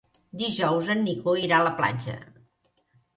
Dijous en Nico irà a la platja.